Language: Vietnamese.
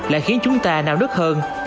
lại khiến chúng ta nào đứt hơn